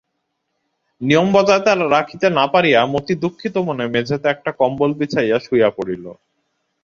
নিয়ম বজায় রাখিতে না পারিয়া মতি দুঃখিত মনে মেঝেতে একটা কম্বল বিছাইয়া শুইয়া পড়িল।